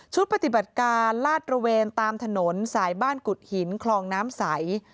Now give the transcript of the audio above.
ปฏิบัติการลาดตระเวนตามถนนสายบ้านกุฎหินคลองน้ำใส